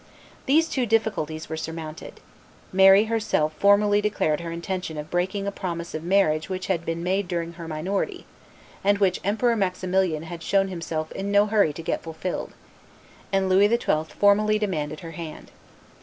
These two difficulties were surmounted: Mary herself formally declared her intention of breaking a promise of marriage which had been made during her minority, and which Emperor Maximilian had shown himself in no hurry to get fulfilled; and Louis XII. formally demanded her hand.